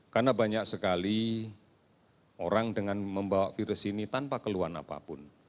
karena banyak sekali orang dengan membawa virus ini tanpa keluhan apapun